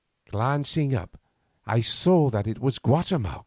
Glancing up I saw that it was Guatemoc.